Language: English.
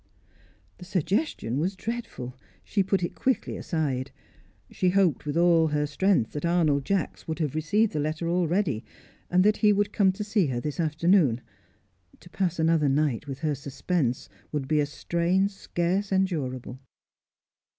The suggestion was dreadful; she put it quickly aside. She hoped with all her strength that Arnold Jacks would have received the letter already, and that he would come to see her this afternoon. To pass another night with her suspense would be a strain scarce endurable.